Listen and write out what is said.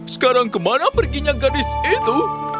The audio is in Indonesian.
sekarang kemana perginya gadis itu